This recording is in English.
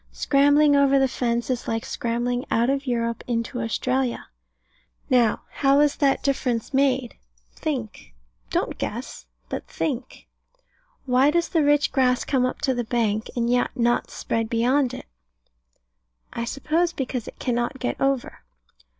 Scrambling over the fence is like scrambling out of Europe into Australia. Now, how was that difference made? Think. Don't guess, but think. Why does the rich grass come up to the bank, and yet not spread beyond it? I suppose because it cannot get over.